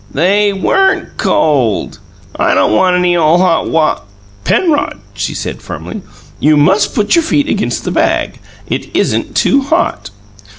"They WEREN'T cold. I don't want any ole hot wat " "Penrod," she said firmly, "you must put your feet against the bag. It isn't too hot."